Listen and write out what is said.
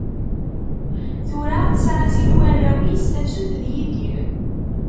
Tura tesɛa sin n warraw-is, Tafsut d Yidir.